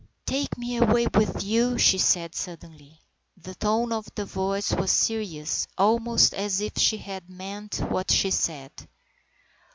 Ill "TAKE me away with you," she said suddenly. The tone of the voice was serious, almost as if she had meant what she said.